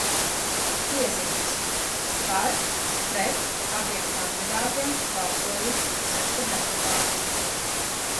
"Piezīmes: "par", "pret" abiem kandidātiem balsojuši seši deputāti."